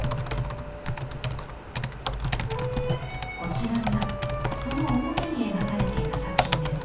こちらがその表に描かれていた作品です。